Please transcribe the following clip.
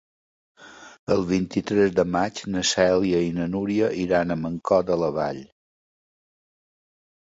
El vint-i-tres de maig na Cèlia i na Núria iran a Mancor de la Vall.